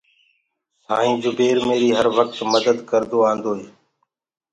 سآئيٚنٚ جُبير ميريٚ هر وڪت مَدَت ڪردو آنٚدوئي۔